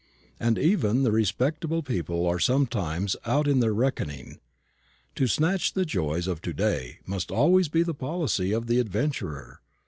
And even the respectable people are sometimes out in their reckoning. To snatch the joys of to day must always be the policy of the adventurer.